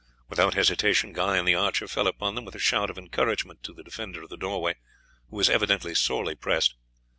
Without hesitation Guy and the archer fell upon them, with a shout of encouragement to the defender of the doorway, who was evidently sorely pressed.